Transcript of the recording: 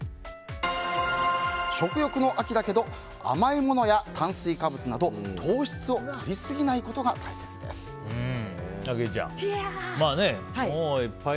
食欲の秋だけど甘いものや炭水化物など糖質をとりすぎないことがあきえちゃんいっぱい